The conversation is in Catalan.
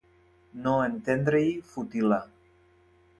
No entendre-hi futil·la.